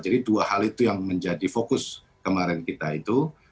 jadi dua hal itu yang menjadi fokus kemarin kita itu